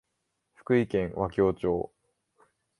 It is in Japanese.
福井県若狭町